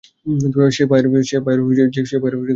সে পায়ের সে সংগীত নাই।